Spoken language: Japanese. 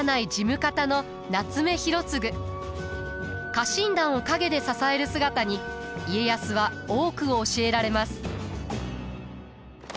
家臣団を陰で支える姿に家康は多くを教えられます。